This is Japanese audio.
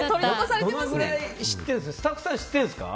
どのぐらい知ってるんですか？